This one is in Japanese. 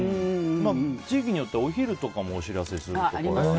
地域によっては、お昼とかもお知らせるするところが。